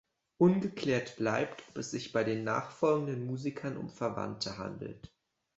Ungeklärt bleibt, ob es sich bei den nachfolgenden Musikern um Verwandte handelt.